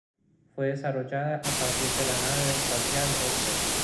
Fue desarrollada a partir de la nave espacial Vostok.